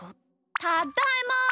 ただいま！